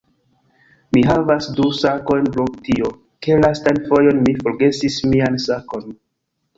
Mi havas du sakojn pro tio, ke lastan fojon mi forgesis mian sakon